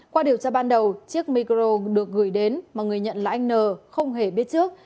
qua điều tra ban đầu chiếc micro được gửi đến mà người nhận là anh n không hề biết trước